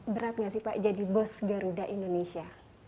berat gak sih pak jadi bos garuda indonesia